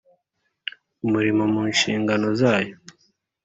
umurimo mu nshingano zayo